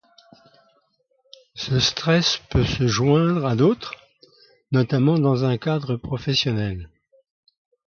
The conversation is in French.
Ce stress peut se joindre à d'autres, notamment dans un cadre professionnel.